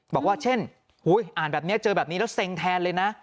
บอกว่าเช่นอ่านแบบนี้เจอแบบนี้แล้วเซ็งแทนเลยนะ